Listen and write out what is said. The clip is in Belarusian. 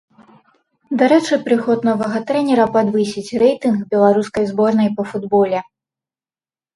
Дарэчы, прыход новага трэнера падвысіць рэйтынг беларускай зборнай па футболе.